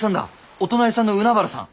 お隣さんの海原さん。